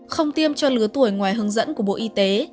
không tiêm cho lứa tuổi ngoài hướng dẫn của bộ y tế